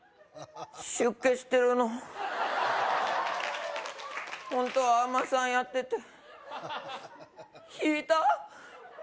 出家してるのホントは尼さんやってて引いた？